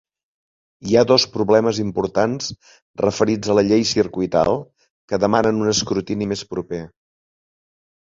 Hi ha dos problemes importants referits a la llei circuital que demanen un escrutini més proper.